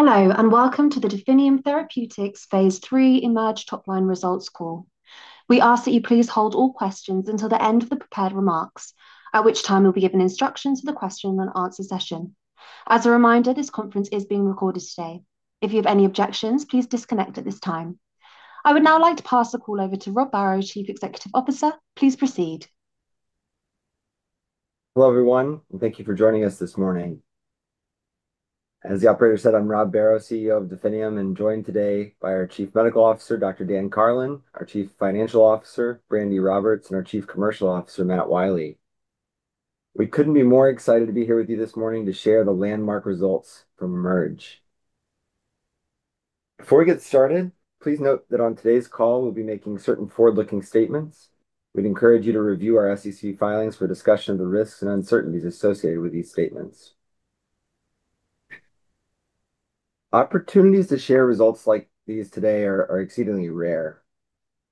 Welcome to the Definium Therapeutics phase III EMERGE Top Line Results call. We ask that you please hold all questions until the end of the prepared remarks, at which time you will be given instructions for the question and answer session. As a reminder, this conference is being recorded today. If you have any objections, please disconnect at this time. I would now like to pass the call over to Rob Barrow, Chief Executive Officer. Please proceed. Hello, everyone, thank you for joining us this morning. As the operator said, I'm Rob Barrow, CEO of Definium, joined today by our Chief Medical Officer, Dr. Dan Karlin, our Chief Financial Officer, Brandi Roberts, and our Chief Commercial Officer, Matt Wiley. We couldn't be more excited to be here with you this morning to share the landmark results from EMERGE. Before we get started, please note that on today's call, we'll be making certain forward-looking statements. We'd encourage you to review our SEC filings for a discussion of the risks and uncertainties associated with these statements. Opportunities to share results like these today are exceedingly rare.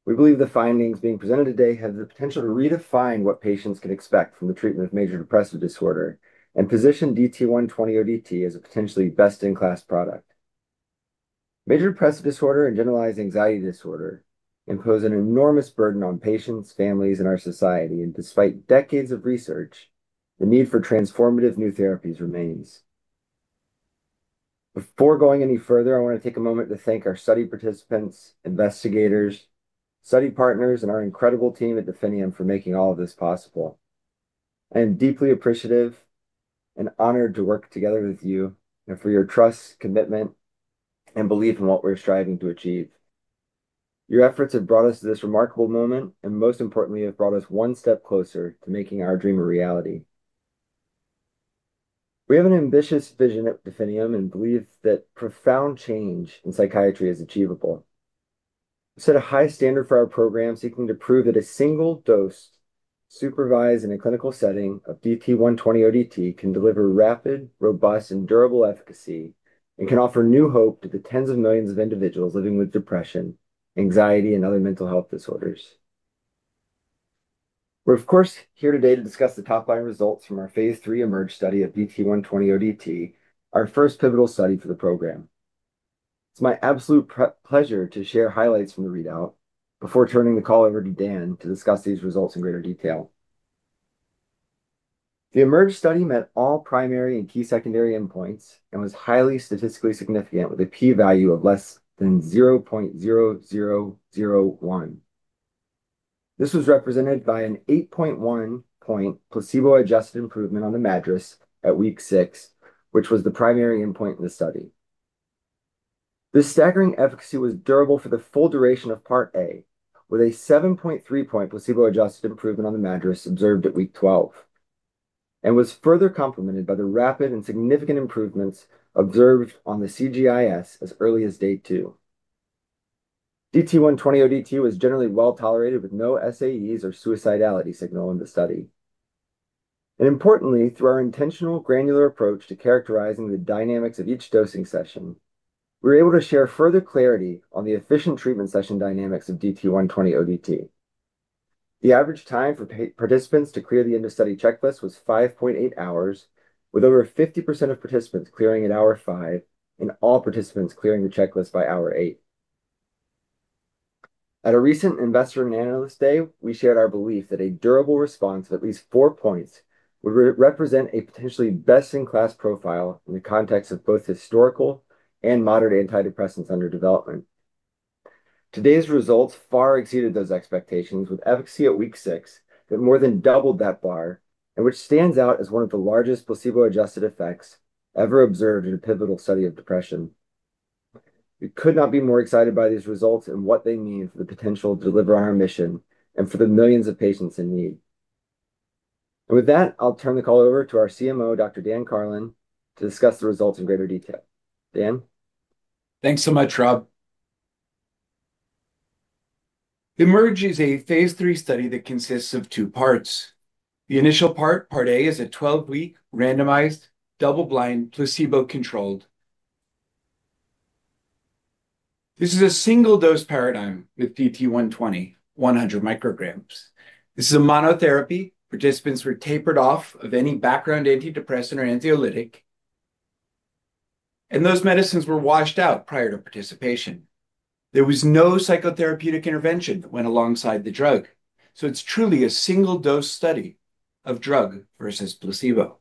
We believe the findings being presented today have the potential to redefine what patients can expect from the treatment of Major Depressive Disorder and position DT120 ODT as a potentially best-in-class product. Major Depressive Disorder and Generalized Anxiety Disorder impose an enormous burden on patients, families, and our society. Despite decades of research, the need for transformative new therapies remains. Before going any further, I want to take a moment to thank our study participants, investigators, study partners, and our incredible team at Definium for making all of this possible. I am deeply appreciative and honored to work together with you and for your trust, commitment, and belief in what we're striving to achieve. Your efforts have brought us to this remarkable moment, and most importantly, have brought us one step closer to making our dream a reality. We have an ambitious vision at Definium and believe that profound change in psychiatry is achievable. We set a high standard for our program, seeking to prove that a single-dose supervised in a clinical setting of DT120 ODT can deliver rapid, robust, and durable efficacy and can offer new hope to the tens of millions of individuals living with depression, anxiety, and other mental health disorders. We're of course here today to discuss the top-line results from our phase III EMERGE study of DT120 ODT, our first pivotal study for the program. It's my absolute pleasure to share highlights from the readout before turning the call over to Dan to discuss these results in greater detail. The EMERGE study met all primary and key secondary endpoints and was highly statistically significant, with a P value of less than 0.0001. This was represented by an 8.1 point placebo-adjusted improvement on the MADRS at week six, which was the primary endpoint in the study. This staggering efficacy was durable for the full duration of Part A, with a 7.3 point placebo-adjusted improvement on the MADRS observed at week 12, and was further complemented by the rapid and significant improvements observed on the CGIS as early as day two. DT120 ODT was generally well-tolerated, with no SAEs or suicidality signal in the study. Importantly, through our intentional granular approach to characterizing the dynamics of each dosting session, we were able to share further clarity on the efficient treatment session dynamics of DT120 ODT. The average time for participants to clear the end-of-study checklist was 5.8 hours, with over 50% of participants clearing at hour five and all participants clearing the checklist by hour eight. At a recent investor and analyst day, we shared our belief that a durable response of at least four points would represent a potentially best-in-class profile in the context of both historical and modern antidepressants under development. Today's results far exceeded those expectations with efficacy at week six that more than doubled that bar and which stands out as one of the largest placebo-adjusted effects ever observed in a pivotal study of depression. We could not be more excited by these results and what they mean for the potential to deliver our mission and for the millions of patients in need. With that, I'll turn the call over to our CMO, Dr. Dan Karlin, to discuss the results in greater detail. Dan? Thanks so much, Rob. EMERGE is a phase III study that consists of two parts. The initial part, Part A, is a 12-week randomized, double-blind, placebo-controlled. This is a single-dose paradigm with DT120, 100 μg. This is a monotherapy. Participants were tapered off of any background antidepressant or anxiolytic, and those medicines were washed out prior to participation. There was no psychotherapeutic intervention that went alongside the drug, so it's truly a single-dose study of drug versus placebo.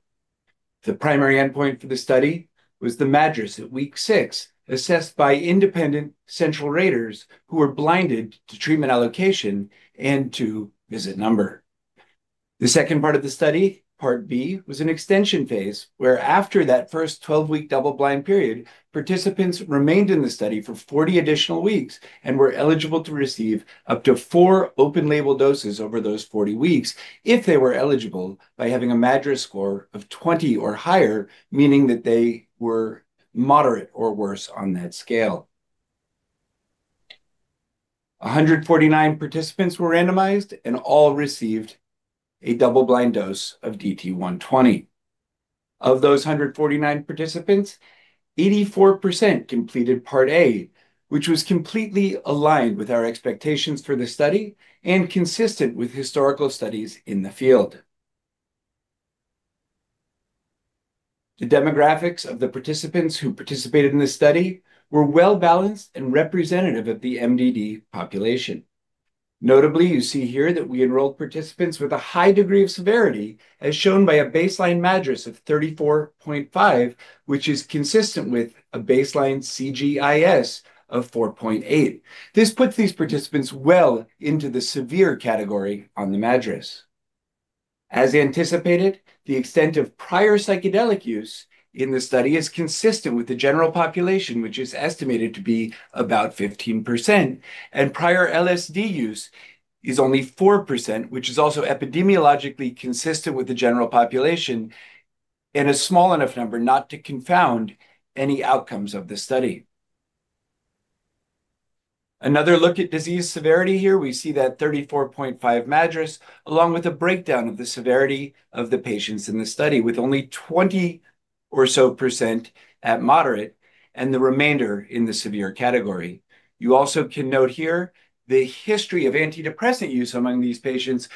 The primary endpoint for the study was the MADRS at week six, assessed by independent central raters who were blinded to treatment allocation and to visit number. The second part of the study, Part B, was an extension phase where after that first 12-week double-blind period, participants remained in the study for 40 additional weeks and were eligible to receive up to four open-label doses over those 40 weeks if they were eligible by having a MADRS score of 20 or higher, meaning that they were moderate or worse on that scale. 149 participants were randomized, and all received a double-blind dose of DT120. Of those 149 participants, 84% completed Part A, which was completely aligned with our expectations for the study and consistent with historical studies in the field. The demographics of the participants who participated in this study were well-balanced and representative of the MDD population. Notably, you see here that we enrolled participants with a high degree of severity, as shown by a baseline MADRS of 34.5, which is consistent with a baseline CGIS of 4.8. This puts these participants well into the severe category on the MADRS. As anticipated, the extent of prior psychedelic use in the study is consistent with the general population, which is estimated to be about 15%. Prior LSD use is only 4%, which is also epidemiologically consistent with the general population and a small enough number not to confound any outcomes of the study. Another look at disease severity here. We see that 34.5 MADRS, along with a breakdown of the severity of the patients in the study, with only 20 or so percent at moderate and the remainder in the severe category. You also can note here the history of antidepressant use among these patients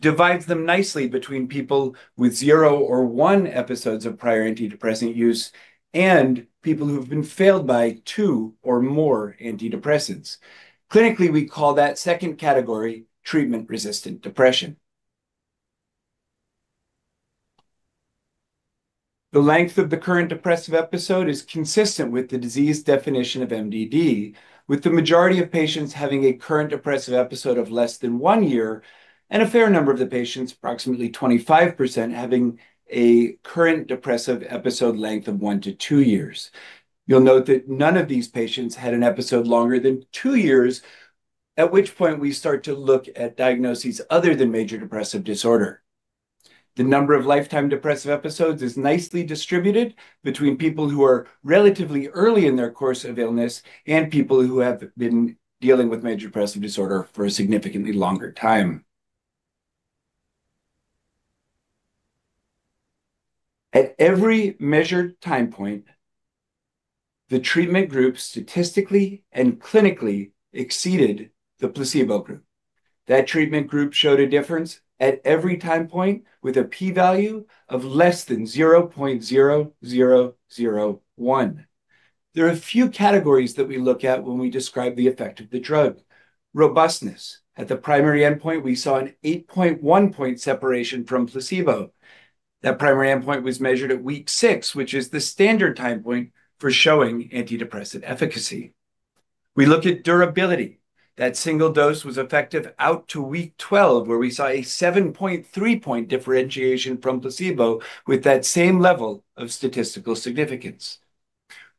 divides them nicely between people with zero or one episodes of prior antidepressant use and people who have been failed by two or more antidepressants. Clinically, we call that 2nd category treatment-resistant depression. The length of the current depressive episode is consistent with the disease definition of MDD, with the majority of patients having a current depressive episode of less than one year and a fair number of the patients, approximately 25%, having a current depressive episode length of one to two years. You'll note that none of these patients had an episode longer than two years, at which point we start to look at diagnoses other than major depressive disorder. The number of lifetime depressive episodes is nicely distributed between people who are relatively early in their course of illness and people who have been dealing with major depressive disorder for a significantly longer time. At every measured time point, the treatment group statistically and clinically exceeded the placebo group. That treatment group showed a difference at every time point with a p-value of less than 0.0001. There are a few categories that we look at when we describe the effect of the drug. Robustness. At the primary endpoint, we saw an 8.1-point separation from placebo. That primary endpoint was measured at week six, which is the standard time point for showing antidepressant efficacy. We looked at durability. That single dose was effective out to week 12, where we saw a 7.3-point differentiation from placebo with that same level of statistical significance.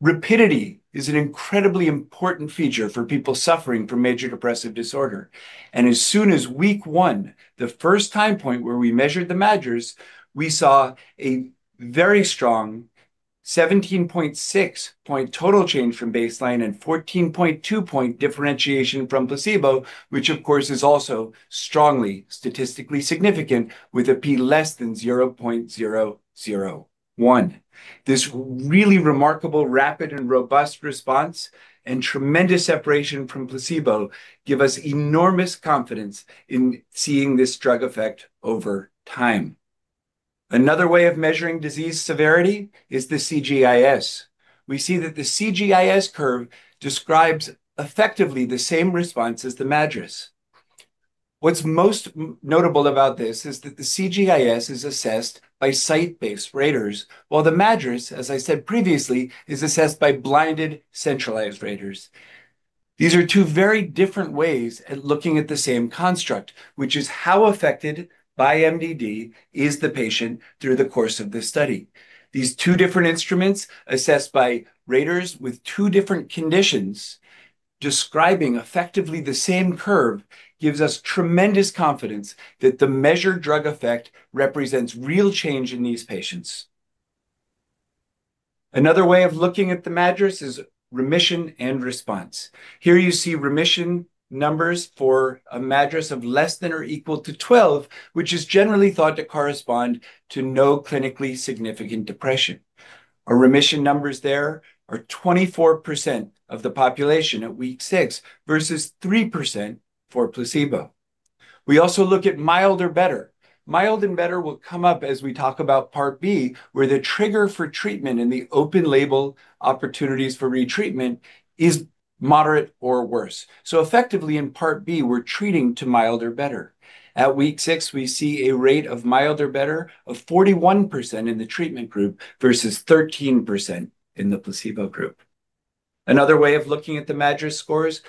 Rapidity is an incredibly important feature for people suffering from major depressive disorder. As soon as week one, the first time point where we measured the MADRS, we saw a very strong 17.6-point total change from baseline and 14.2-point differentiation from placebo, which of course is also strongly statistically significant with a p less than 0.001. This really remarkable rapid and robust response and tremendous separation from placebo give us enormous confidence in seeing this drug effect over time. Another way of measuring disease severity is the CGIS. We see that the CGIS curve describes effectively the same response as the MADRS. What's most notable about this is that the CGIS is assessed by site-based raters, while the MADRS, as I said previously, is assessed by blinded centralized raters. These are two very different ways at looking at the same construct, which is how affected by MDD is the patient through the course of the study. These two different instruments assessed by raters with two different conditions describing effectively the same curve gives us tremendous confidence that the measured drug effect represents real change in these patients. Another way of looking at the MADRS is remission and response. Here you see remission numbers for a MADRS of less than or equal to 12, which is generally thought to correspond to no clinically significant depression. Our remission numbers there are 24% of the population at week six versus 3% for placebo. We also look at mild or better. Mild and better will come up as we talk about part B, where the trigger for treatment in the open label opportunities for retreatment is moderate or worse. Effectively in part B, we're treating to mild or better. At week six, we see a rate of mild or better of 41% in the treatment group versus 13% in the placebo group. Another way of looking at the MADRS scores,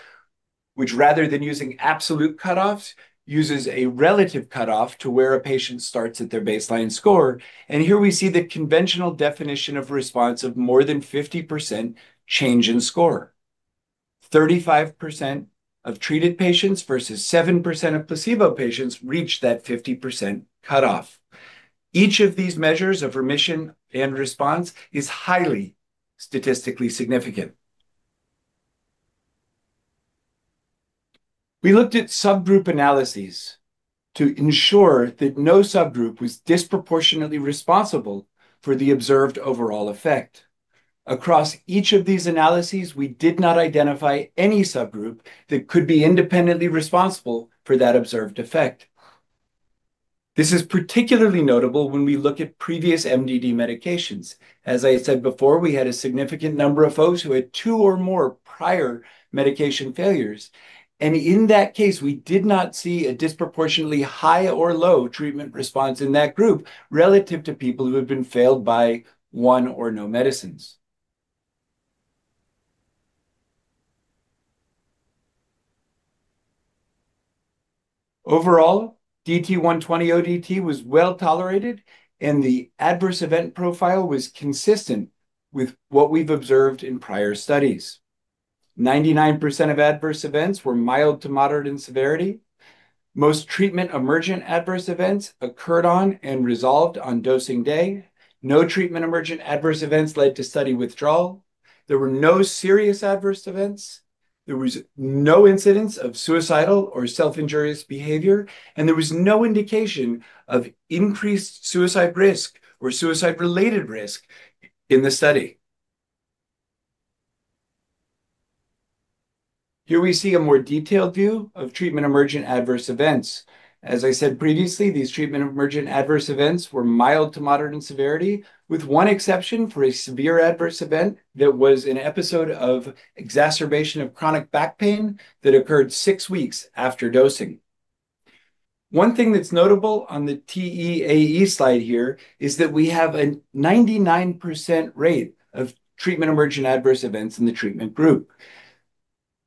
which rather than using absolute cutoffs, uses a relative cutoff to where a patient starts at their baseline score. Here we see the conventional definition of response of more than 50% change in score. 35% of treated patients versus 7% of placebo patients reached that 50% cutoff. Each of these measures of remission and response is highly statistically significant. We looked at subgroup analyses to ensure that no subgroup was disproportionately responsible for the observed overall effect. Across each of these analyses, we did not identify any subgroup that could be independently responsible for that observed effect. This is particularly notable when we look at previous MDD medications. As I said before, we had a significant number of folks who had two or more prior medication failures, and in that case, we did not see a disproportionately high or low treatment response in that group relative to people who had been failed by one or no medicines. Overall, DT120 ODT was well-tolerated, and the adverse event profile was consistent with what we've observed in prior studies. 99% of adverse events were mild to moderate in severity. Most treatment-emergent adverse events occurred on and resolved on dosing day. No treatment-emergent adverse events led to study withdrawal. There were no serious adverse events. There was no incidence of suicidal or self-injurious behavior, and there was no indication of increased suicide risk or suicide-related risk in the study. Here we see a more detailed view of treatment-emergent adverse events. As I said previously, these treatment-emergent adverse events were mild to moderate in severity, with one exception for a severe adverse event that was an episode of exacerbation of chronic back pain that occurred six weeks after dosing. One thing that's notable on the TEAE slide here is that we have a 99% rate of treatment-emergent adverse events in the treatment group.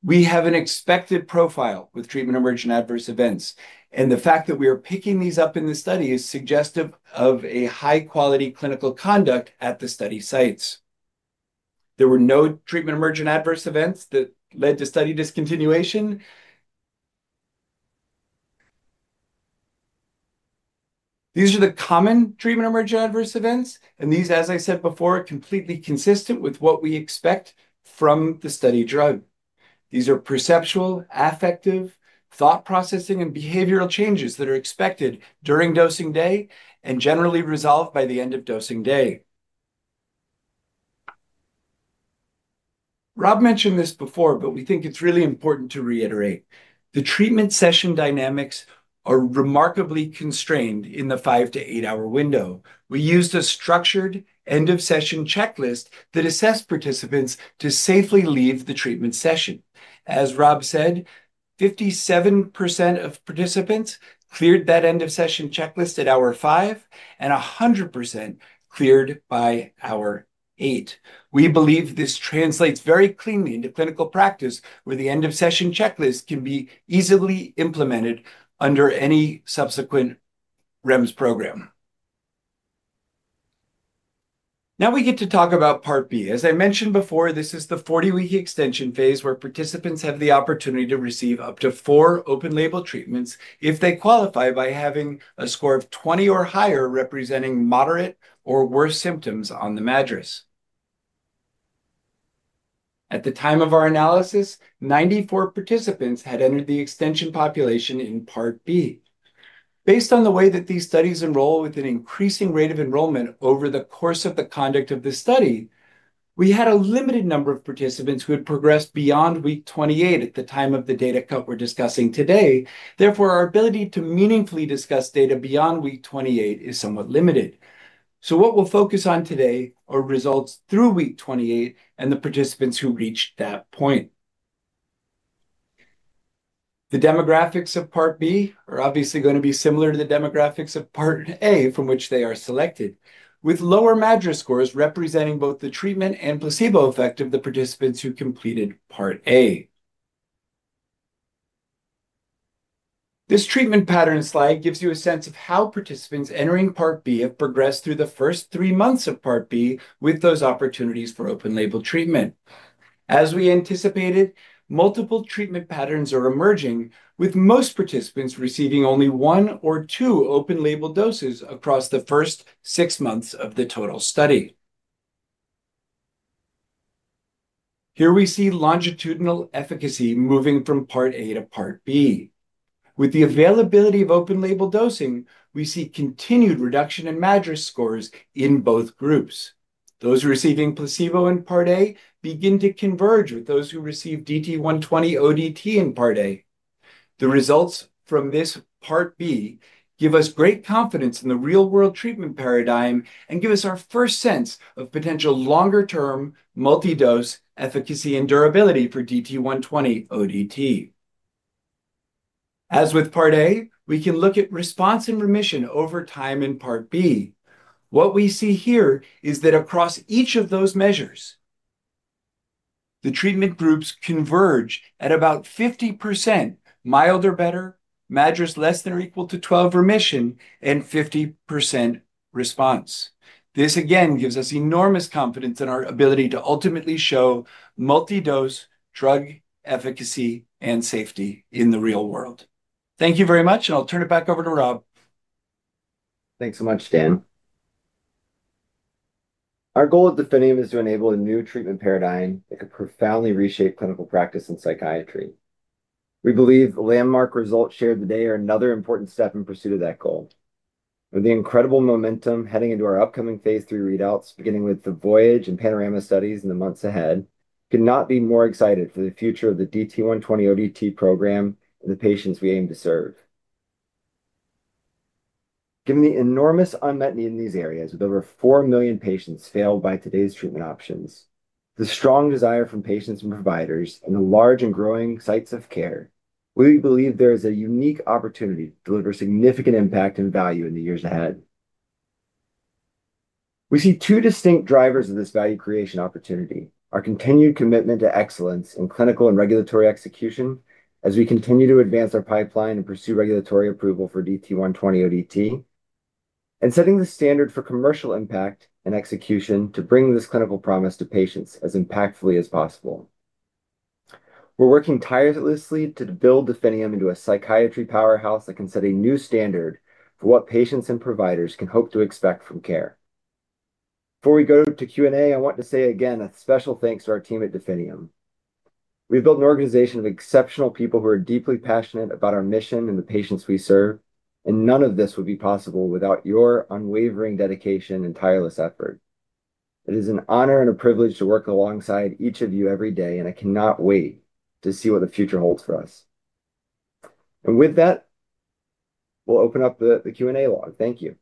We have an expected profile with treatment-emergent adverse events, and the fact that we are picking these up in the study is suggestive of a high-quality clinical conduct at the study sites. There were no treatment-emergent adverse events that led to study discontinuation. These are the common treatment-emergent adverse events, and these, as I said before, are completely consistent with what we expect from the study drug. These are perceptual, affective, thought processing, and behavioral changes that are expected during dosing day and generally resolved by the end of dosing day. Rob mentioned this before, but we think it's really important to reiterate. The treatment session dynamics are remarkably constrained in the 5 to 8-hour window. We used a structured end-of-session checklist that assessed participants to safely leave the treatment session. As Rob said, 57% of participants cleared that end-of-session checklist at hour five, and 100% cleared by hour eight. We believe this translates very cleanly into clinical practice where the end-of-session checklist can be easily implemented under any subsequent REMS program. Now we get to talk about Part B. As I mentioned before, this is the 40-week extension phase where participants have the opportunity to receive up to four open-label treatments if they qualify by having a score of 20 or higher, representing moderate or worse symptoms on the MADRS. At the time of our analysis, 94 participants had entered the extension population in Part B. Based on the way that these studies enroll with an increasing rate of enrollment over the course of the conduct of the study, we had a limited number of participants who had progressed beyond week 28 at the time of the data cut we're discussing today. Therefore, our ability to meaningfully discuss data beyond week 28 is somewhat limited. What we'll focus on today are results through week 28 and the participants who reached that point. The demographics of Part B are obviously going to be similar to the demographics of Part A from which they are selected. With lower MADRS scores representing both the treatment and placebo effect of the participants who completed Part A. This treatment pattern slide gives you a sense of how participants entering Part B have progressed through the first three months of Part B with those opportunities for open-label treatment. As we anticipated, multiple treatment patterns are emerging, with most participants receiving only one or two open-label doses across the first six months of the total study. Here we see longitudinal efficacy moving from Part A to Part B. With the availability of open-label dosing, we see continued reduction in MADRS scores in both groups. Those receiving placebo in Part A begin to converge with those who receive DT120 ODT in Part A. The results from this Part B give us great confidence in the real-world treatment paradigm and give us our first sense of potential longer-term multi-dose efficacy and durability for DT120 ODT. As with Part A, we can look at response and remission over time in Part B. What we see here is that across each of those measures, the treatment groups converge at about 50% mild or better, MADRS less than or equal to 12 remission, and 50% response. This, again, gives us enormous confidence in our ability to ultimately show multi-dose drug efficacy and safety in the real world. Thank you very much, and I'll turn it back over to Rob. Thanks so much, Dan. Our goal at Definium is to enable a new treatment paradigm that could profoundly reshape clinical practice in psychiatry. We believe the landmark results shared today are another important step in pursuit of that goal. With the incredible momentum heading into our upcoming phase III readouts, beginning with the VOYAGE and PANORAMA studies in the months ahead, could not be more excited for the future of the DT120 ODT program and the patients we aim to serve. Given the enormous unmet need in these areas, with over 4 million patients failed by today's treatment options, the strong desire from patients and providers in the large and growing sites of care, we believe there is a unique opportunity to deliver significant impact and value in the years ahead. We see two distinct drivers of this value creation opportunity: our continued commitment to excellence in clinical and regulatory execution as we continue to advance our pipeline and pursue regulatory approval for DT120 ODT, and setting the standard for commercial impact and execution to bring this clinical promise to patients as impactfully as possible. We're working tirelessly to build Definium into a psychiatry powerhouse that can set a new standard for what patients and providers can hope to expect from care. Before we go to Q&A, I want to say again a special thanks to our team at Definium. We've built an organization of exceptional people who are deeply passionate about our mission and the patients we serve, and none of this would be possible without your unwavering dedication and tireless effort. It is an honor and a privilege to work alongside each of you every day. I cannot wait to see what the future holds for us. With that, we'll open up the Q&A log. Thank you.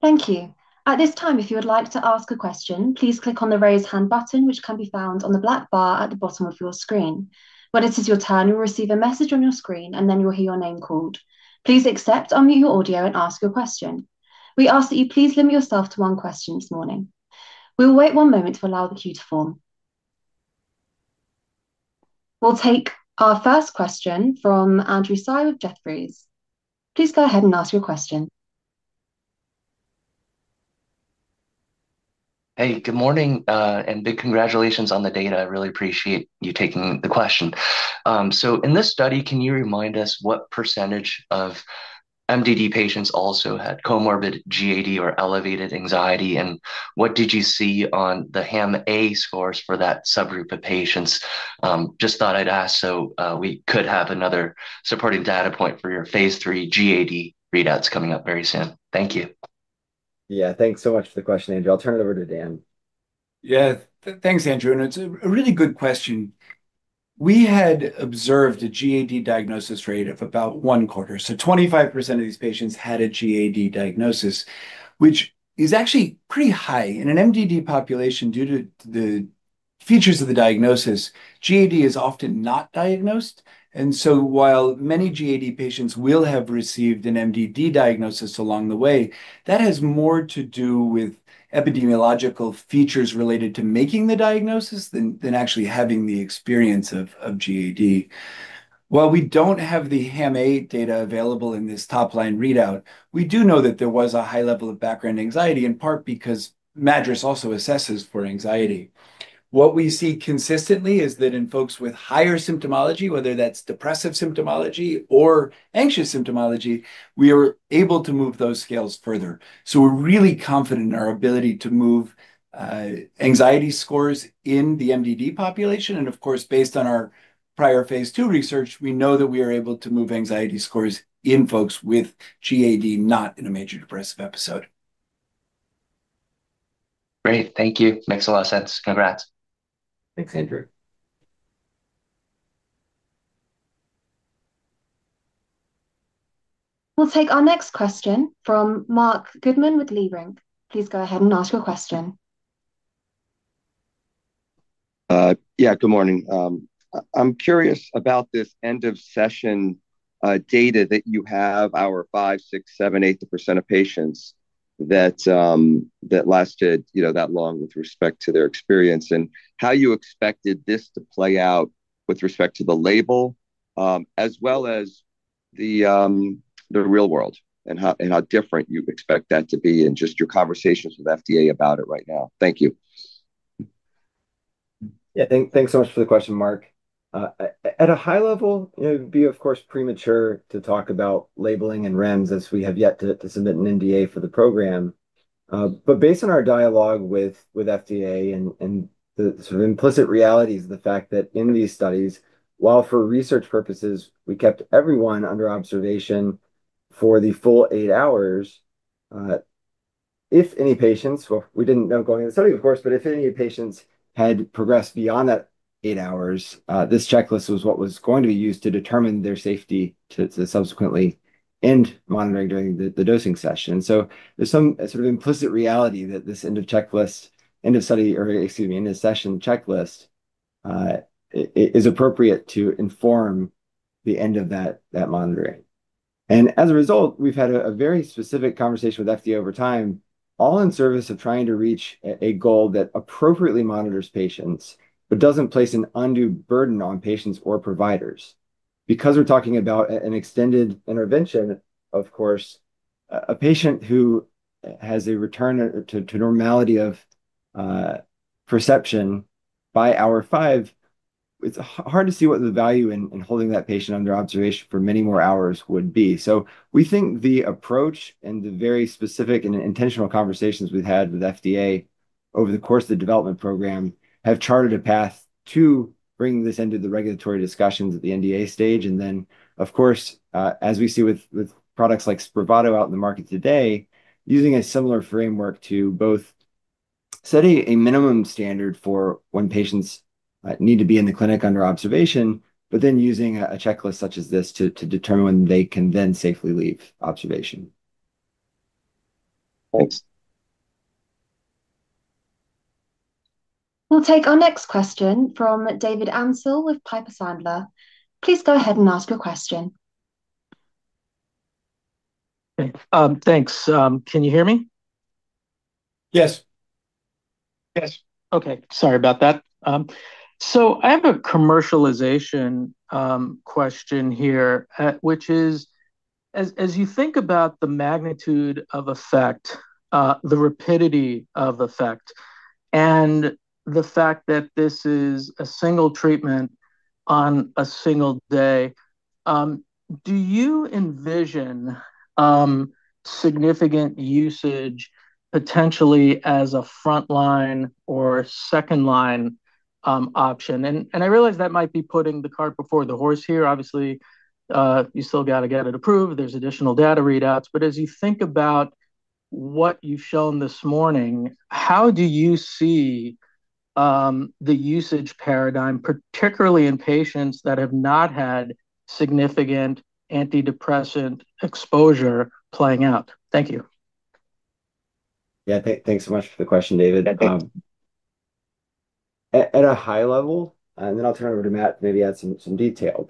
Thank you. At this time, if you would like to ask a question, please click on the Raise Hand button, which can be found on the black bar at the bottom of your screen. When it is your turn, you will receive a message on your screen, and then you will hear your name called. Please accept, unmute your audio, and ask your question. We ask that you please limit yourself to one question this morning. We will wait one moment to allow the queue to form. We'll take our first question from Andrew Tsai with Jefferies. Please go ahead and ask your question. Good morning. Big congratulations on the data. I really appreciate you taking the question. In this study, can you remind us what percentage of MDD patients also had comorbid GAD or elevated anxiety? What did you see on the HAM-A scores for that subgroup of patients? Just thought I'd ask so we could have another supporting data point for your phase III GAD readouts coming up very soon. Thank you. Thanks so much for the question, Andrew. I'll turn it over to Dan. Thanks, Andrew. It's a really good question. We had observed a GAD diagnosis rate of about one-quarter. 25% of these patients had a GAD diagnosis, which is actually pretty high. In an MDD population, due to the features of the diagnosis, GAD is often not diagnosed. While many GAD patients will have received an MDD diagnosis along the way, that has more to do with epidemiological features related to making the diagnosis than actually having the experience of GAD. While we don't have the HAM-A data available in this top-line readout, we do know that there was a high level of background anxiety, in part because MADRS also assesses for anxiety. What we see consistently is that in folks with higher symptomology, whether that's depressive symptomology or anxious symptomology, we are able to move those scales further. We're really confident in our ability to move anxiety scores in the MDD population. Of course, based on our prior phase II research, we know that we are able to move anxiety scores in folks with GAD, not in a major depressive episode. Great. Thank you. Makes a lot of sense. Congrats. Thanks, Andrew. We'll take our next question from Marc Goodman with Leerink. Please go ahead and ask your question. Yeah. Good morning. I'm curious about this end of session data that you have, hour five, six, seven, 8% of patients that lasted that long with respect to their experience and how you expected this to play out with respect to the label, as well as the real world and how different you expect that to be and just your conversations with FDA about it right now. Thank you. Yeah. Thanks so much for the question, Marc. At a high level, it would be, of course, premature to talk about labeling and REMS as we have yet to submit an NDA for the program. But based on our dialogue with FDA and the sort of implicit realities of the fact that in these studies, while for research purposes, we kept everyone under observation for the full 8 hours. If any patients, we didn't know going in the study, of course, but if any patients had progressed beyond that 8 hours, this checklist was what was going to be used to determine their safety to subsequently end monitoring during the dosing session. So there's some sort of implicit reality that this end of session checklist is appropriate to inform the end of that monitoring. As a result, we've had a very specific conversation with FDA over time, all in service of trying to reach a goal that appropriately monitors patients but doesn't place an undue burden on patients or providers. Because we're talking about an extended intervention, of course, a patient who has a return to normality of perception by hour five, it's hard to see what the value in holding that patient under observation for many more hours would be. So we think the approach and the very specific and intentional conversations we've had with FDA over the course of the development program, have chartered a path to bring this into the regulatory discussions at the NDA stage. Of course, as we see with products like SPRAVATO out in the market today, using a similar framework to both setting a minimum standard for when patients need to be in the clinic under observation, but then using a checklist such as this to determine when they can then safely leave observation. Thanks. We'll take our next question from David Amsellem with Piper Sandler. Please go ahead and ask your question. Okay. Thanks. Can you hear me? Yes. Yes. Okay. Sorry about that. I have a commercialization question here, which is, as you think about the magnitude of effect, the rapidity of effect, and the fact that this is a single treatment on a single day, do you envision significant usage potentially as a frontline or second-line option? I realize that might be putting the cart before the horse here. Obviously, you still got to get it approved. There's additional data readouts. As you think about what you've shown this morning, how do you see the usage paradigm, particularly in patients that have not had significant antidepressant exposure playing out? Thank you. Yeah. Thanks so much for the question, David. Yeah, thank you. At a high level, and then I'll turn it over to Matt to maybe add some detail.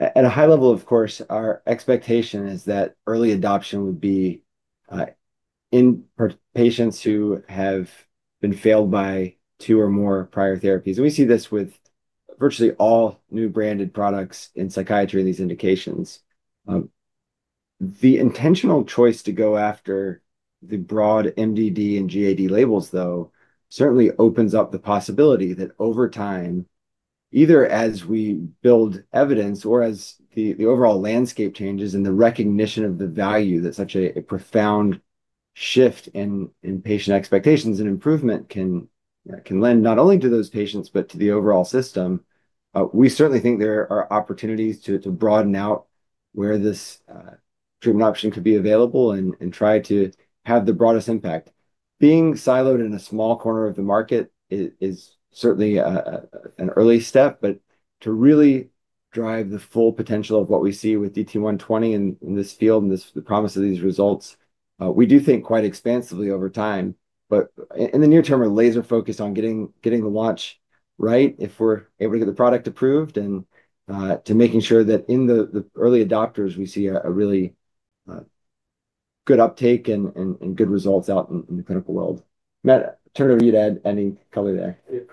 At a high level, of course, our expectation is that early adoption would be in patients who have been failed by two or more prior therapies. We see this with virtually all new branded products in psychiatry and these indications. The intentional choice to go after the broad MDD and GAD labels, though, certainly opens up the possibility that over time, either as we build evidence or as the overall landscape changes and the recognition of the value that such a profound shift in patient expectations and improvement can lend, not only to those patients but to the overall system. We certainly think there are opportunities to broaden out where this treatment option could be available and try to have the broadest impact. Being siloed in a small corner of the market is certainly an early step. To really drive the full potential of what we see with DT120 in this field and the promise of these results, we do think quite expansively over time. In the near term, we're laser-focused on getting the launch right if we're able to get the product approved, and to making sure that in the early adopters, we see a really good uptake and good results out in the clinical world. Matt, turn it over to you to add any color there.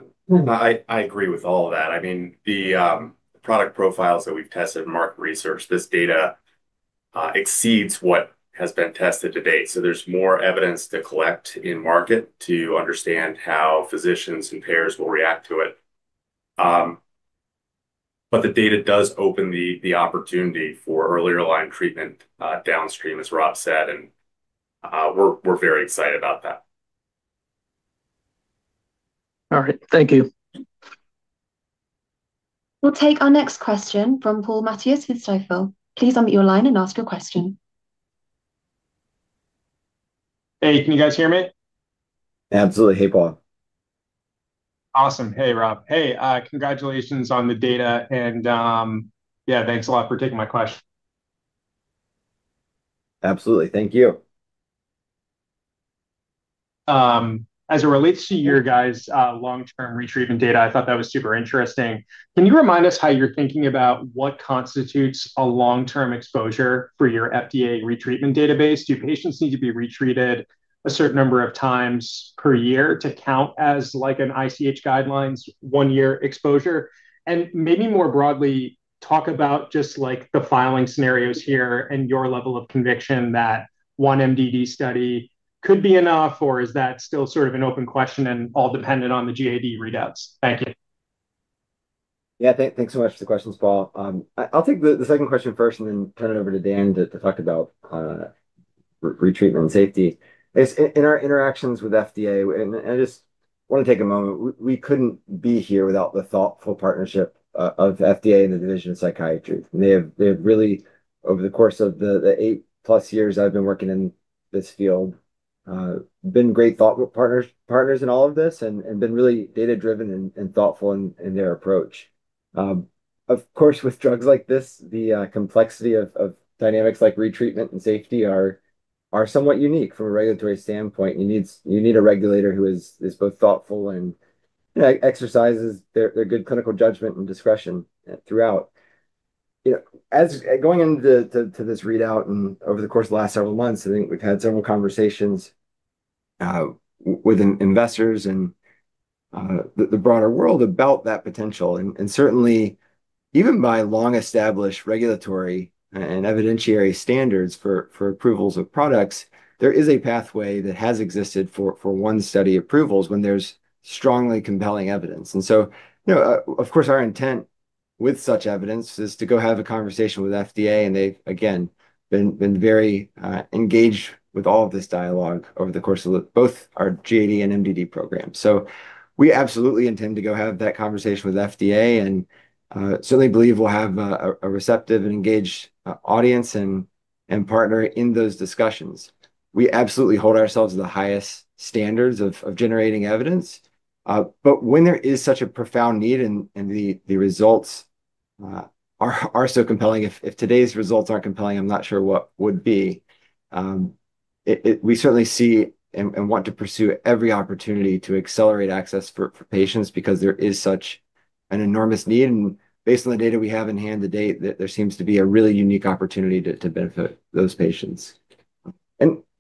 I agree with all of that. I mean, the product profiles that we've tested in market research, this data exceeds what has been tested to date. There's more evidence to collect in market to understand how physicians and payers will react to it. The data does open the opportunity for earlier line treatment downstream, as Rob said, and we're very excited about that. All right. Thank you. We'll take our next question from Paul Matteis with Stifel. Please unmute your line and ask your question. Hey, can you guys hear me? Absolutely. Hey, Paul. Awesome. Hey, Rob. Hey, congratulations on the data, yeah, thanks a lot for taking my question. Absolutely. Thank you. As it relates to your guys' long-term retreatment data, I thought that was super interesting. Can you remind us how you're thinking about what constitutes a long-term exposure for your FDA retreatment database? Do patients need to be retreated a certain number of times per year to count as like an ICH Guidelines one-year exposure? Maybe more broadly, talk about just like the filing scenarios here and your level of conviction that one MDD study could be enough, or is that still sort of an open question and all dependent on the GAD readouts? Thank you. Yeah. Thanks so much for the questions, Paul. I'll take the second question first and then turn it over to Dan to talk about retreatment and safety. In our interactions with FDA. I just want to take a moment. We couldn't be here without the thoughtful partnership of FDA and the Division of Psychiatry. They have really, over the course of the 8-plus years that I've been working in this field, been great partners in all of this and been really data-driven and thoughtful in their approach. Of course, with drugs like this, the complexity of dynamics like retreatment and safety are somewhat unique from a regulatory standpoint. You need a regulator who is both thoughtful and exercises their good clinical judgment and discretion throughout. Going into this readout, over the course of the last several months, I think we've had several conversations with investors and the broader world about that potential. Certainly, even by long-established regulatory and evidentiary standards for approvals of products, there is a pathway that has existed for one-study approvals when there's strongly compelling evidence. Of course, our intent with such evidence is to go have a conversation with FDA, and they've, again, been very engaged with all of this dialogue over the course of both our GAD and MDD programs. We absolutely intend to go have that conversation with FDA and certainly believe we'll have a receptive and engaged audience and partner in those discussions. We absolutely hold ourselves to the highest standards of generating evidence. When there is such a profound need and the results are so compelling. If today's results aren't compelling, I'm not sure what would be. We certainly see and want to pursue every opportunity to accelerate access for patients because there is such an enormous need, and based on the data we have in hand to date, there seems to be a really unique opportunity to benefit those patients.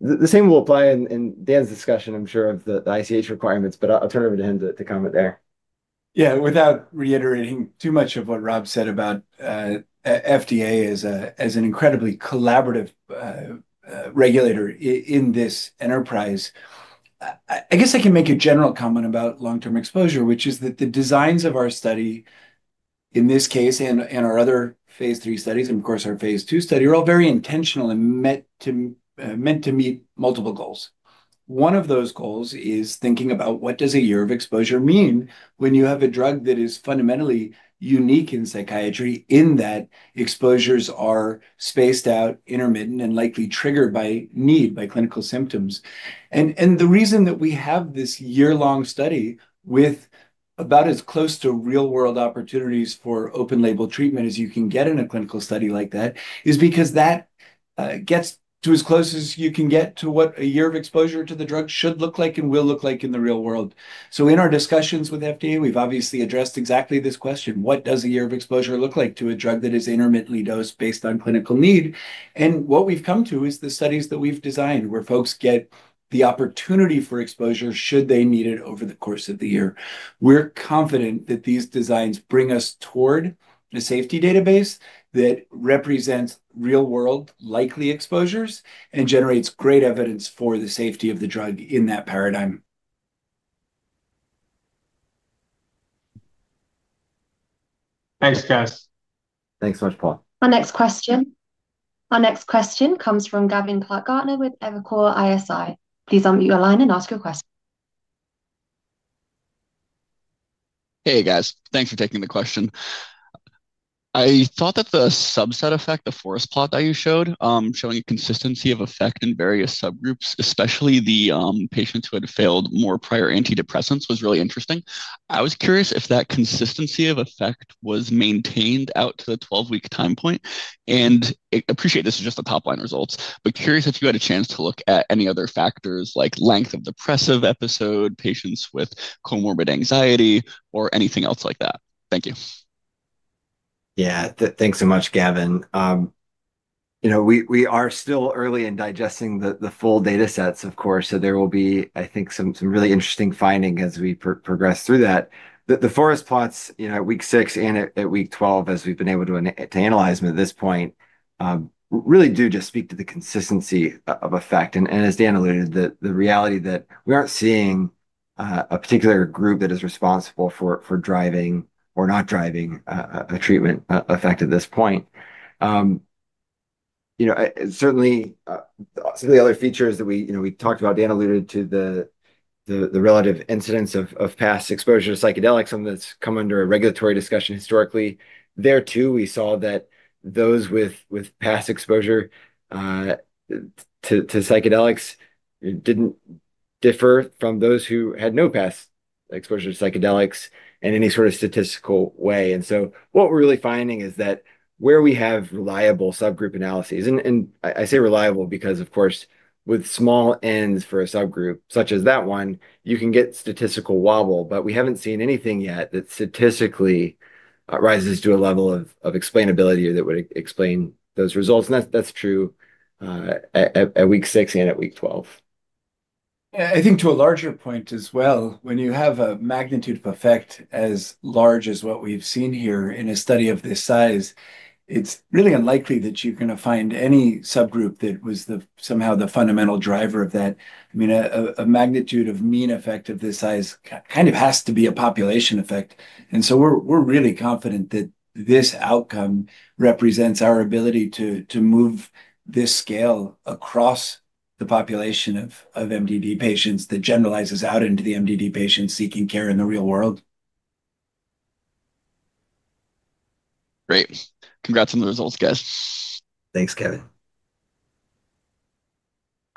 The same will apply in Dan's discussion, I'm sure of the ICH requirements, but I'll turn it over to him to comment there. Yeah. Without reiterating too much of what Rob said about FDA as an incredibly collaborative regulator in this enterprise. I guess I can make a general comment about long-term exposure, which is that the designs of our study, in this case and our other phase III studies and, of course, our phase II study, are all very intentional and meant to meet multiple goals. One of those goals is thinking about what does a year of exposure mean when you have a drug that is fundamentally unique in psychiatry, in that exposures are spaced out, intermittent, and likely triggered by need, by clinical symptoms. The reason that we have this year-long study with about as close to real-world opportunities for open label treatment as you can get in a clinical study like that is because that gets to as close as you can get to what a year of exposure to the drug should look like and will look like in the real world. In our discussions with FDA, we've obviously addressed exactly this question: What does a year of exposure look like to a drug that is intermittently dosed based on clinical need? What we've come to is the studies that we've designed, where folks get the opportunity for exposure should they need it over the course of the year. We're confident that these designs bring us toward a safety database that represents real-world likely exposures and generates great evidence for the safety of the drug in that paradigm. Thanks, guys. Thanks so much, Paul. Our next question comes from Gavin Clark-Gartner with Evercore ISI. Please unmute your line and ask your question. Hey, guys. Thanks for taking the question. I thought that the subset effect, the forest plot that you showed, showing a consistency of effect in various subgroups, especially the patients who had failed more prior antidepressants, was really interesting. I was curious if that consistency of effect was maintained out to the 12-week time point. Appreciate this is just the top-line results, curious if you had a chance to look at any other factors like length of depressive episode, patients with comorbid anxiety, or anything else like that. Thank you. Thanks so much, Gavin. We are still early in digesting the full data sets, of course. There will be, I think, some really interesting finding as we progress through that. The forest plots at week six and at week 12, as we've been able to analyze them at this point, really do just speak to the consistency of effect. As Dan alluded, the reality that we aren't seeing a particular group that is responsible for driving or not driving a treatment effect at this point. Certainly, some of the other features that we talked about, Dan alluded to the relative incidence of past exposure to psychedelics, something that's come under a regulatory discussion historically. There, too, we saw that those with past exposure to psychedelics didn't differ from those who had no past exposure to psychedelics in any sort of statistical way. What we're really finding is that where we have reliable subgroup analyses, and I say reliable because, of course, with small ends for a subgroup such as that one, you can get statistical wobble. We haven't seen anything yet that statistically rises to a level of explainability or that would explain those results, and that's true at week six and at week 12. I think to a larger point as well, when you have a magnitude of effect as large as what we've seen here in a study of this size, it's really unlikely that you're going to find any subgroup that was somehow the fundamental driver of that. A magnitude of mean effect of this size has to be a population effect. We're really confident that this outcome represents our ability to move this scale across the population of MDD patients that generalizes out into the MDD patients seeking care in the real world. Great. Congrats on the results, guys. Thanks, Gavin.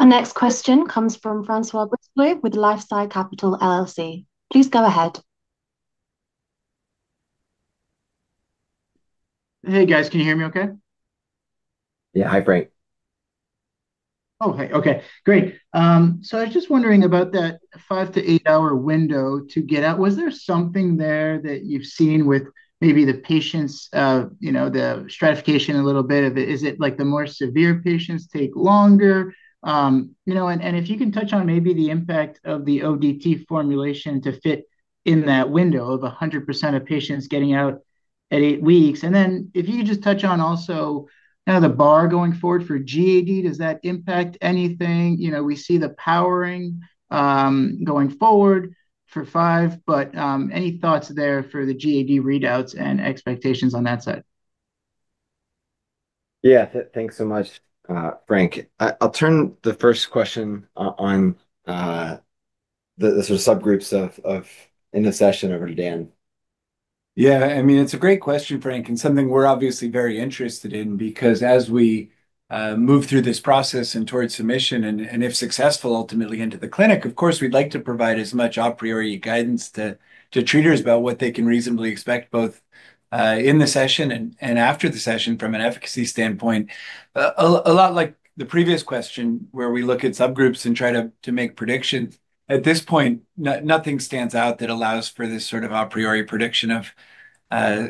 Our next question comes from Francois Brisebois with LifeSci Capital LLC. Please go ahead. Hey, guys. Can you hear me okay? Yeah. Hi, Francois. Oh, hey. Okay, great. I was just wondering about that five to eight-hour window to get out. Was there something there that you've seen with maybe the patients, the stratification a little bit? Is it like the more severe patients take longer? If you can touch on maybe the impact of the ODT formulation to fit in that window of 100% of patients getting out at eight weeks. If you could just touch on also the bar going forward for GAD. Does that impact anything? We see the powering going forward for five. Any thoughts there for the GAD readouts and expectations on that side? Yeah. Thanks so much, Francois. I'll turn the first question on the sort of subgroups in the session over to Dan. Yeah. It's a great question, Francois. Something we're obviously very interested in because as we move through this process and towards submission and, if successful, ultimately into the clinic, of course, we'd like to provide as much a priori guidance to treaters about what they can reasonably expect, both in the session and after the session, from an efficacy standpoint. A lot like the previous question where we look at subgroups and try to make predictions. At this point, nothing stands out that allows for this sort of a priori prediction of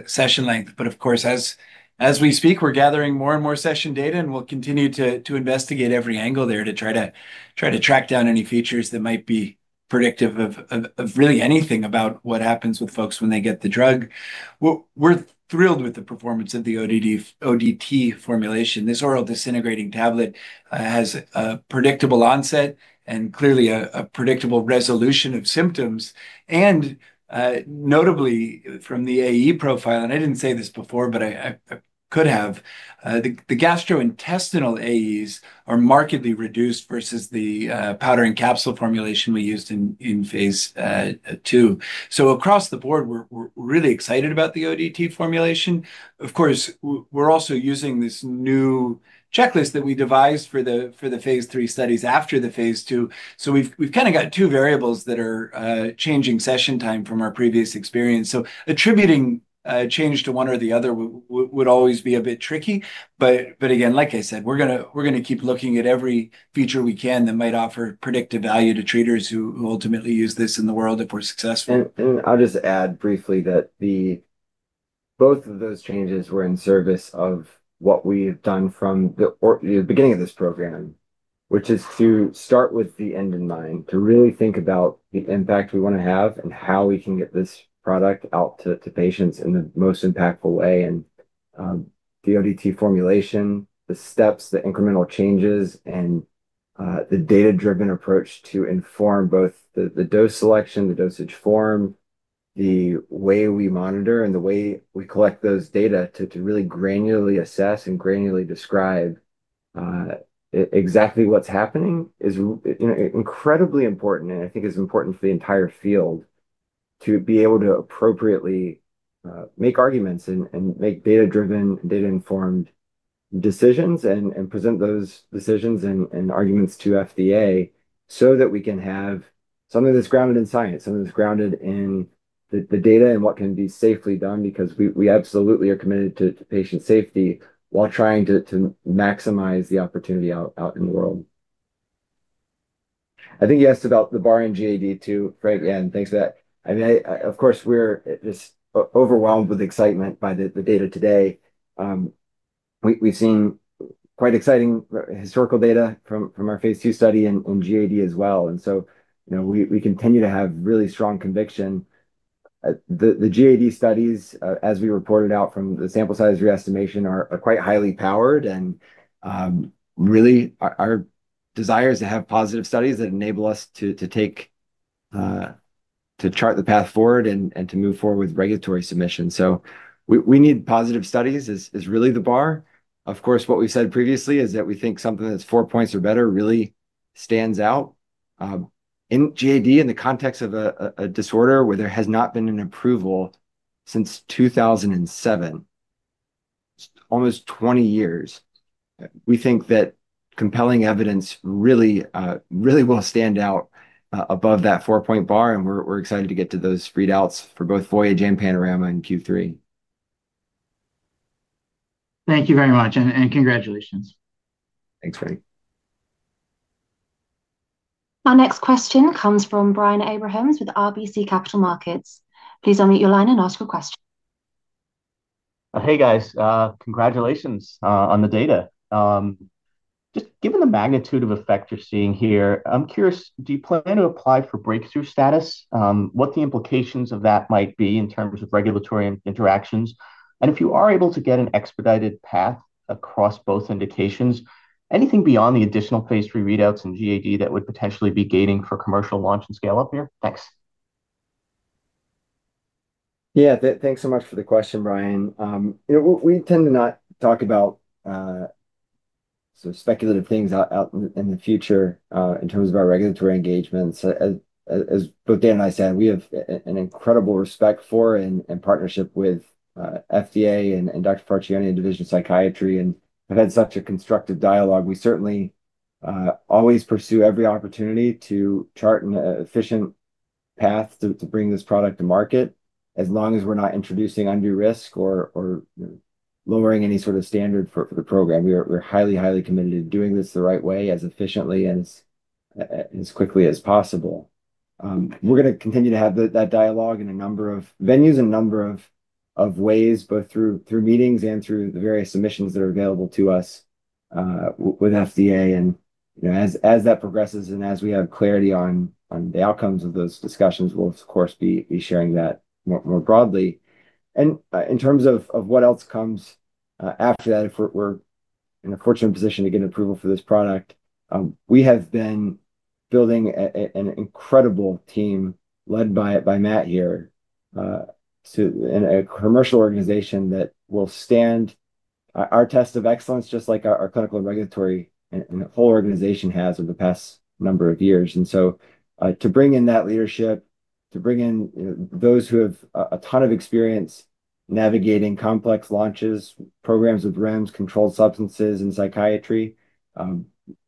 session length. Of course, as we speak, we're gathering more and more session data, and we'll continue to investigate every angle there to try to track down any features that might be predictive of really anything about what happens with folks when they get the drug. We're thrilled with the performance of the ODT formulation. This oral disintegrating tablet has a predictable onset and clearly a predictable resolution of symptoms. Notably, from the AE profile, and I didn't say this before, but I could have, the gastrointestinal AEs are markedly reduced versus the powder and capsule formulation we used in phase II. Across the board, we're really excited about the ODT formulation. Of course, we're also using this new checklist that we devised for the phase III studies after the phase II. We've kind of got two variables that are changing session time from our previous experience. Attributing a change to one or the other would always be a bit tricky. Again, like I said, we're going to keep looking at every feature we can that might offer predictive value to treaters who ultimately use this in the world if we're successful. I'll just add briefly that both of those changes were in service of what we've done from the beginning of this program, which is to start with the end in mind, to really think about the impact we want to have and how we can get this product out to patients in the most impactful way. The ODT formulation, the steps, the incremental changes, and the data-driven approach to inform both the dose selection, the dosage form, the way we monitor, and the way we collect those data to really granularly assess and granularly describe exactly what's happening is incredibly important. I think it's important for the entire field to be able to appropriately make arguments and make data-driven, data-informed decisions and present those decisions and arguments to FDA so that we can have something that's grounded in science, something that's grounded in the data and what can be safely done. We absolutely are committed to patient safety while trying to maximize the opportunity out in the world. I think you asked about the bar in GAD, too, Francois. Thanks for that. Of course, we're just overwhelmed with excitement by the data today. We've seen quite exciting historical data from our phase II study in GAD as well. We continue to have really strong conviction. The GAD studies, as we reported out from the sample size re-estimation, are quite highly powered. Really our desire is to have positive studies that enable us to chart the path forward and to move forward with regulatory submission. We need positive studies is really the bar. Of course, what we've said previously is that we think something that's four points or better really stands out. In GAD, in the context of a disorder where there has not been an approval since 2007, almost 20 years, we think that compelling evidence really will stand out above that four-point bar. We're excited to get to those readouts for both VOYAGE and PANORAMA in Q3. Thank you very much. Congratulations. Thanks, Francois. Our next question comes from Brian Abrahams with RBC Capital Markets. Please unmute your line and ask your question. Hey, guys. Congratulations on the data. Just given the magnitude of effect you're seeing here, I'm curious, do you plan to apply for breakthrough status? What the implications of that might be in terms of regulatory interactions, and if you are able to get an expedited path across both indications, anything beyond the additional phase III readouts in GAD that would potentially be gating for commercial launch and scale up here? Thanks. Yeah. Thanks so much for the question, Brian. We tend to not talk about sort of speculative things out in the future in terms of our regulatory engagements. As both Dan Karlin and I said, we have an incredible respect for and partnership with FDA and Dr. Farchione in Division of Psychiatry, and have had such a constructive dialogue. We certainly always pursue every opportunity to chart an efficient path to bring this product to market, as long as we're not introducing undue risk or lowering any sort of standard for the program. We're highly committed to doing this the right way, as efficiently and as quickly as possible. We're going to continue to have that dialogue in a number of venues, a number of ways, both through meetings and through the various submissions that are available to us with FDA. As that progresses and as we have clarity on the outcomes of those discussions, we'll of course, be sharing that more broadly. In terms of what else comes after that, if we're in a fortunate position to get an approval for this product, building an incredible team led by Matt here, in a commercial organization that will stand our test of excellence, just like our clinical, regulatory, and whole organization has over the past number of years. To bring in that leadership, to bring in those who have a ton of experience navigating complex launches, programs with REMS, controlled substances in psychiatry,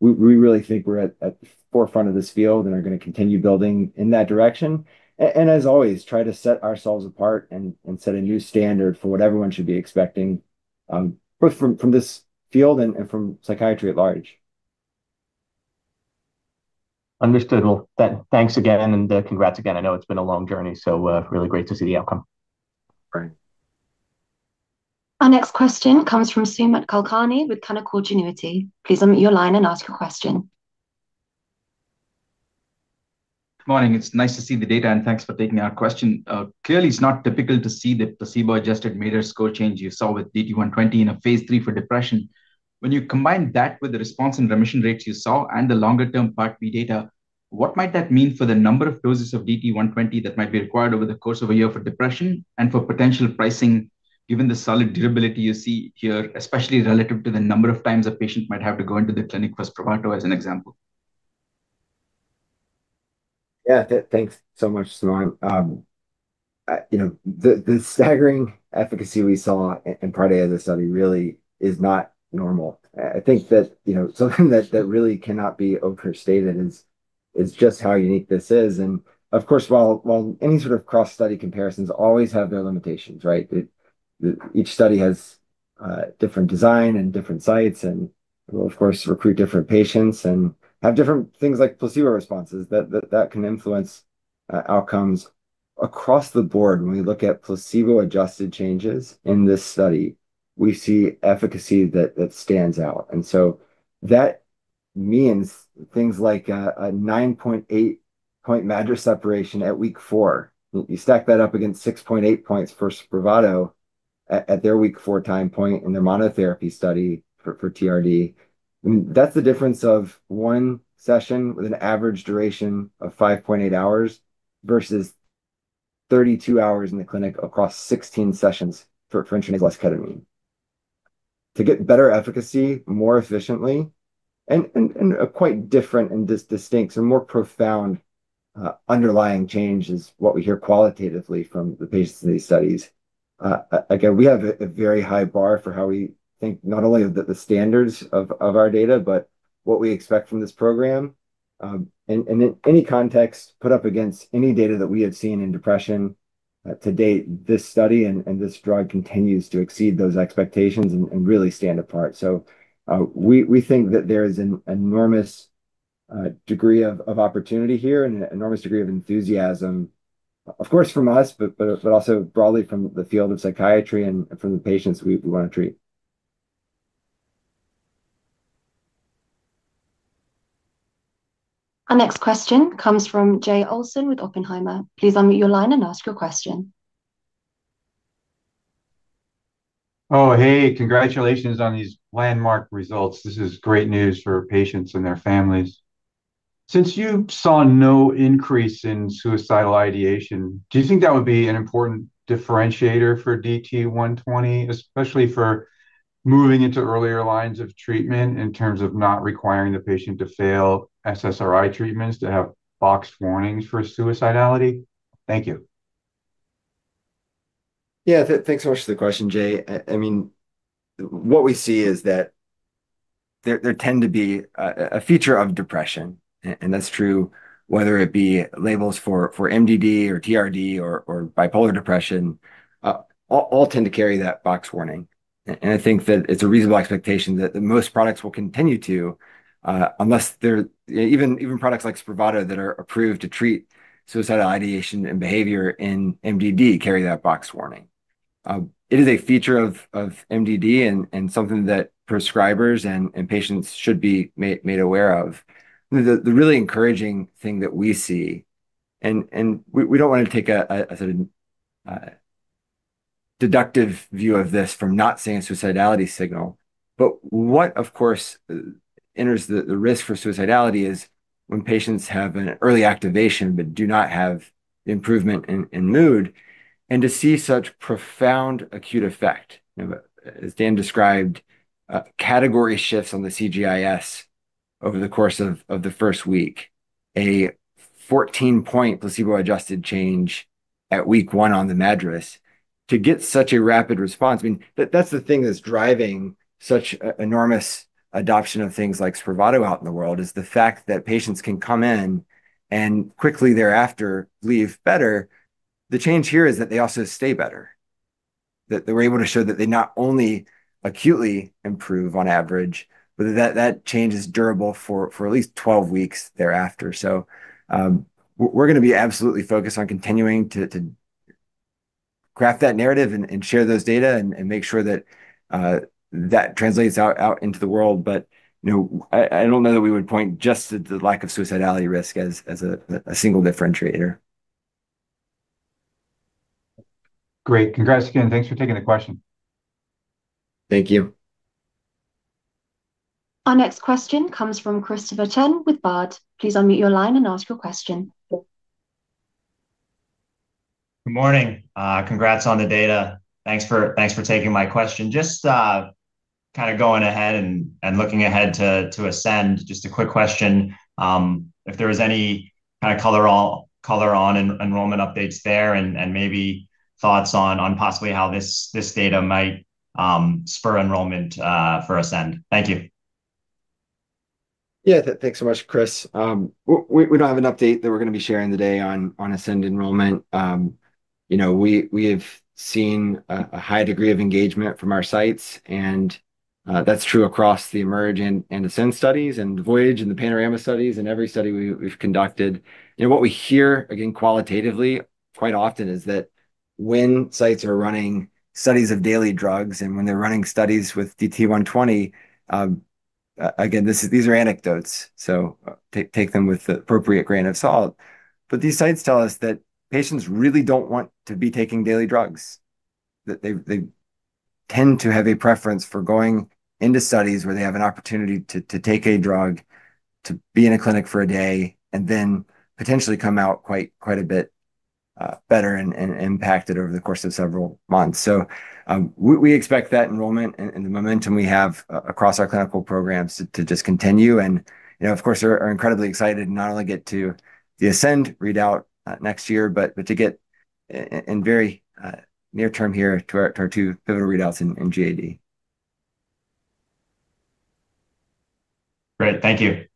we really think we're at the forefront of this field and are going to continue building in that direction. As always, try to set ourselves apart and set a new standard for what everyone should be expecting, both from this field and from psychiatry at large. Understood. Well, thanks again, congrats again. I know it's been a long journey, so really great to see the outcome. Great. Our next question comes from Sumant Kulkarni with Canaccord Genuity. Please unmute your line and ask your question. Good morning. It's nice to see the data. Thanks for taking our question. Clearly, it's not typical to see the placebo-adjusted MADRS score change you saw with DT120 in a phase III for depression. When you combine that with the response and remission rates you saw and the longer-term part V data, what might that mean for the number of doses of DT120 that might be required over the course of a year for depression and for potential pricing, given the solid durability you see here, especially relative to the number of times a patient might have to go into the clinic for SPRAVATO, as an example? Thanks so much, Sumant. The staggering efficacy we saw in Emerge study really is not normal. I think that something that really cannot be overstated is just how unique this is. Of course, while any sort of cross-study comparisons always have their limitations, right? Each study has a different design and different sites. Will, of course, recruit different patients and have different things like placebo responses that can influence outcomes. Across the board, when we look at placebo-adjusted changes in this study, we see efficacy that stands out. That means things like a 9.8-point MADRS separation at week four. You stack that up against 6.8 points for SPRAVATO at their week four time point in their monotherapy study for TRD. I mean, that's the difference of one session with an average duration of 5.8 hours versus 32 hours in the clinic across 16 sessions for intranasal ketamine. A quite different and distinct, more profound underlying change is what we hear qualitatively from the patients in these studies. Again, we have a very high bar for how we think not only of the standards of our data, but what we expect from this program. In any context, put up against any data that we have seen in depression to date, this study and this drug continues to exceed those expectations and really stand apart. We think that there is an enormous degree of opportunity here and an enormous degree of enthusiasm, of course, from us, but also broadly from the field of psychiatry and from the patients we want to treat. Our next question comes from Jay Olson with Oppenheimer. Please unmute your line and ask your question. Oh, hey. Congratulations on these landmark results. This is great news for patients and their families. Since you saw no increase in suicidal ideation, do you think that would be an important differentiator for DT120, especially for moving into earlier lines of treatment in terms of not requiring the patient to fail SSRI treatments to have box warnings for suicidality? Thank you. Yeah. Thanks so much for the question, Jay. I mean, what we see is that there tend to be a feature of depression, and that's true whether it be labels for MDD or TRD or bipolar depression, all tend to carry that box warning. I think that it's a reasonable expectation that most products will continue to, even products like SPRAVATO that are approved to treat suicidal ideation and behavior in MDD carry that box warning. It is a feature of MDD and something that prescribers and patients should be made aware of. The really encouraging thing that we see, we don't want to take a sort of deductive view of this from not seeing a suicidality signal. What, of course, enters the risk for suicidality is when patients have an early activation but do not have improvement in mood, and to see such profound acute effect. As Dan described, category shifts on the CGIS over the course of the first week. A 14-point placebo-adjusted change at week one on the MADRS. To get such a rapid response, I mean, that's the thing that's driving such enormous adoption of things like SPRAVATO out in the world, is the fact that patients can come in and quickly thereafter leave better. The change here is that they also stay better. That we're able to show that they not only acutely improve on average, but that change is durable for at least 12 weeks thereafter. We're going to be absolutely focused on continuing to craft that narrative and share those data and make sure that that translates out into the world. I don't know that we would point just to the lack of suicidality risk as a single differentiator. Great. Congrats again. Thanks for taking the question. Thank you. Our next question comes from Christopher Chen with Baird. Please unmute your line and ask your question. Good morning. Congrats on the data. Thanks for taking my question. Just going ahead and looking ahead to ASCEND, just a quick question. If there was any color on enrollment updates there, and maybe thoughts on possibly how this data might spur enrollment for ASCEND. Thank you. Yeah. Thanks so much, Chris. We don't have an update that we're going to be sharing today on ASCEND enrollment. We have seen a high degree of engagement from our sites, and that's true across the EMERGE and ASCEND studies, the VOYAGE and the PANORAMA studies, and every study we've conducted. What we hear, again, qualitatively, quite often, is that when sites are running studies of daily drugs and when they're running studies with DT120, again, these are anecdotes, so take them with the appropriate grain of salt. These sites tell us that patients really don't want to be taking daily drugs. That they tend to have a preference for going into studies where they have an opportunity to take a drug, to be in a clinic for a day, and then potentially come out quite a bit better and impacted over the course of several months. We expect that enrollment and the momentum we have across our clinical programs to just continue. Of course, we're incredibly excited to not only get to the ASCEND readout next year, but to get in very near term here to our two pivotal readouts in GAD. Great. Thank you.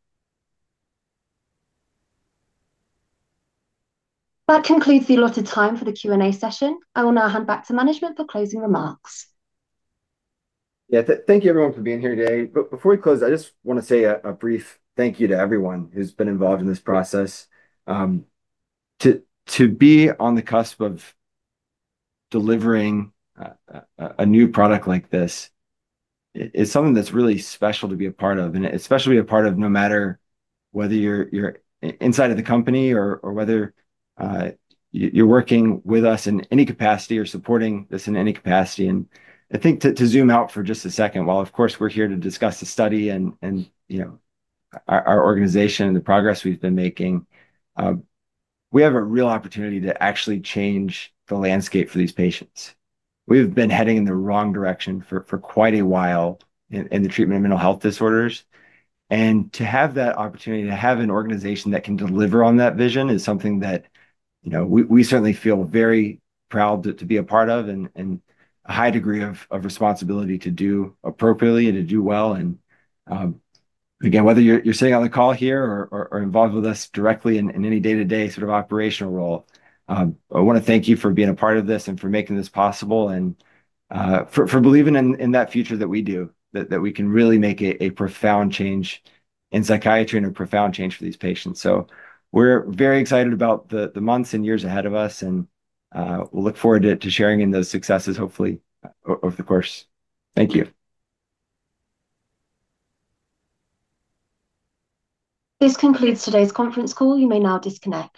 That concludes the allotted time for the Q&A session. I will now hand back to management for closing remarks. Thank you, everyone, for being here today. Before we close, I just want to say a brief thank you to everyone who's been involved in this process. To be on the cusp of delivering a new product like this is something that's really special to be a part of, and especially a part of no matter whether you're inside of the company or whether you're working with us in any capacity or supporting this in any capacity. I think to zoom out for just a second, while, of course, we're here to discuss the study and our organization and the progress we've been making, we have a real opportunity to actually change the landscape for these patients. We've been heading in the wrong direction for quite a while in the treatment of mental health disorders. To have that opportunity, to have an organization that can deliver on that vision is something that we certainly feel very proud to be a part of and a high degree of responsibility to do appropriately and to do well. Again, whether you're sitting on the call here or involved with us directly in any day-to-day sort of operational role, I want to thank you for being a part of this and for making this possible and for believing in that future that we do, that we can really make a profound change in psychiatry and a profound change for these patients. We're very excited about the months and years ahead of us, and we'll look forward to sharing in those successes, hopefully, over the course. Thank you. This concludes today's conference call. You may now disconnect.